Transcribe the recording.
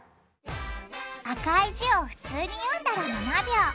赤い字を普通に読んだら７秒。